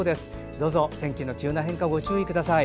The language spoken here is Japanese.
どうぞ天気の急な変化ご注意ください。